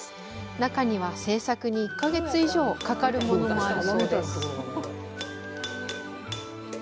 中には、制作に１か月以上かかるものもあるそうです。